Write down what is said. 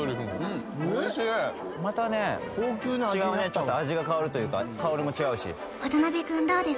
ちょっと味が変わるというか香りも違うし